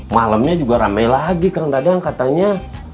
malamnya juga ramai lagi kang dadang katanya